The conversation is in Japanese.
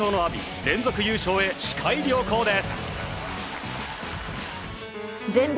連続優勝へ視界良好です。